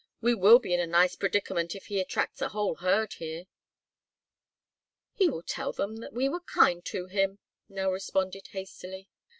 We will be in a nice predicament if he attracts a whole herd here." "He will tell them that we were kind to him," Nell responded hastily.